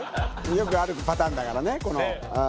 よくあるパターンだからね。